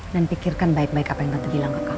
dan pikirkan baik baik apa yang aku bilang ke kamu